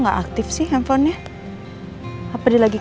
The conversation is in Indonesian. gatis cat treda pulang aja